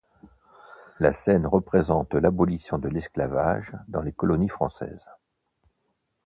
La scène représente l'abolition de l’esclavage dans les colonies françaises.